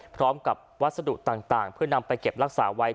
พร้อมกับวัสดุต่างเพื่อนำไปเก็บรักษาไว้